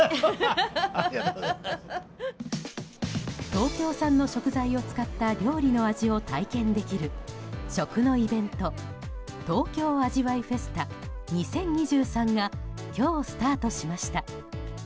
東京産の食材を使った料理の味を体験できる食のイベント「東京味わいフェスタ２０２３」が今日、スタートしました。